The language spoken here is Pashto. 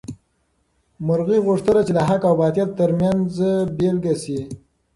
مرغۍ غوښتل چې د حق او باطل تر منځ بېلګه شي.